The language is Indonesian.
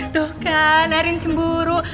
tuh kan arin cemburu